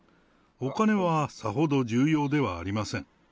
お金はさほど重要ではありません。